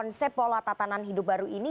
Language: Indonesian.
konsep pola tatanan hidup baru ini